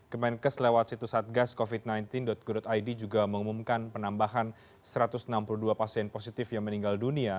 kemenkes lewat situs satgascovid sembilan belas go id juga mengumumkan penambahan satu ratus enam puluh dua pasien positif yang meninggal dunia